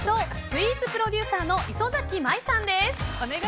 スイーツプロデューサーの磯崎舞さんです。